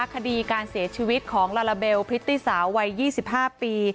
คดีการเสียชีวิตของลาลาเบลพริตตี้สาววัย๒๕ปี